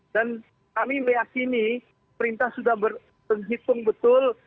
dan kami meyakini perintah sudah berhitung betul